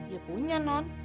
ya punya non